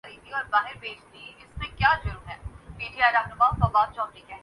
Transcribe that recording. اس کی آنکھیں نشیلی ہیں۔